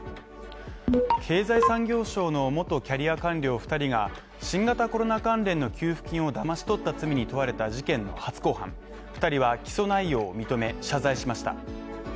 経済産業省の元キャリア官僚２人が新型コロナ関連の給付金をだまし取った罪に問われた事件の初公判で２人は起訴内容を認め、謝罪しました。